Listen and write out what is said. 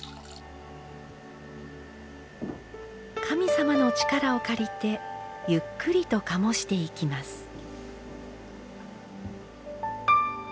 神様の力を借りてゆっくりと醸していきます。